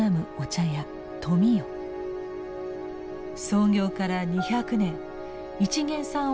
創業から２００年一見さん